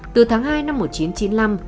từ tháng hai năm một nghìn chín trăm chín mươi năm